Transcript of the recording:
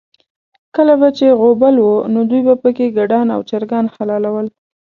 کله به چې غوبل و، نو دوی به پکې ګډان او چرګان حلالول.